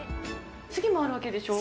次もあるわけでしょ？